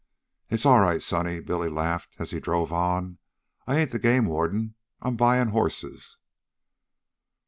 "It's all right, sonny," Billy laughed, as he drove on. "I ain't the game warden. I 'm buyin' horses."